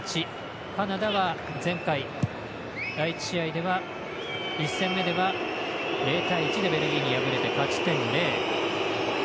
カナダは前回、第１試合では１戦目では０対１でベルギーに敗れて勝ち点０。